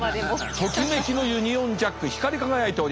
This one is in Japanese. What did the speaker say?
ときめきのユニオンジャック光り輝いております。